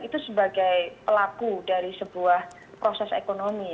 itu sebagai pelaku dari sebuah proses ekonomi